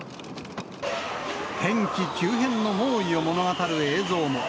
天気急変の猛威を物語る映像も。